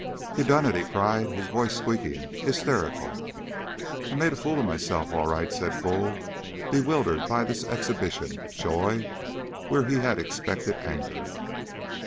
"You done it!" he cried, his voice squeaking, hysterical. "I made a fool of myself, all right," said Bull, bewildered by this exhibition of joy where he had expected anger.